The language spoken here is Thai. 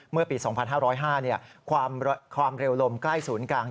เมื่อปี๒๕๐๕ความเร็วลมใกล้ศูนย์กลาง